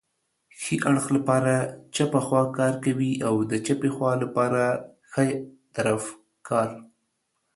ښي اړخ لپاره چپه خواکار کوي او د چپې خوا لپاره ښی طرف کار